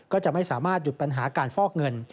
ก็จะไม่สามารถหยุดปัญหาการฟอกเงิน